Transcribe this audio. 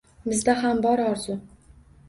Bizda ham bor orzu